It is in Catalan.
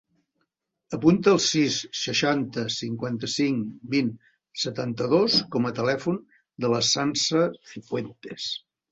Apunta el sis, seixanta, cinquanta-cinc, vint, setanta-dos com a telèfon de la Sança Cifuentes.